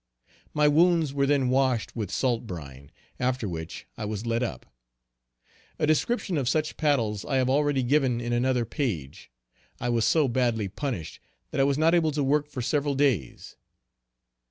My wounds were then washed with salt brine, after which I was let up. A description of such paddles I have already given in another page. I was so badly punished that I was not able to work for several days.